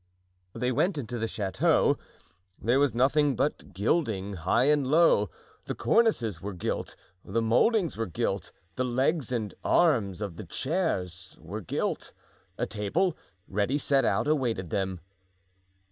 They went into the chateau; there was nothing but gilding, high and low; the cornices were gilt, the mouldings were gilt, the legs and arms of the chairs were gilt. A table, ready set out, awaited them.